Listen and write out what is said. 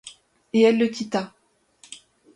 Et elle le quitta.